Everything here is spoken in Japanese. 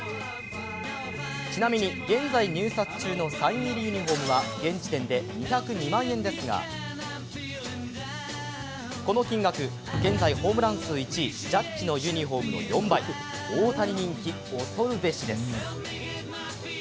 ちなみに、現在入札中のサイン入りユニフォームは現時点で２０２万円ですがこの金額、現在ホームラン数１位ジャッジのユニフォームの４倍大谷人気、おそるべしです。